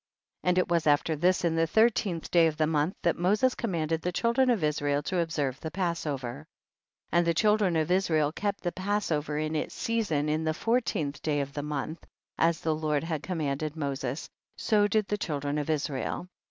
15. And it was after this, in the thirteenth day of the month, that Moses commanded the children of Israel to observe the Passover. 1 6. And the children of Israel kept the Passover in its season in the four teenth day of the month, as the Lord had commanded Moses, so did the children of Israel.